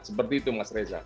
seperti itu mas reza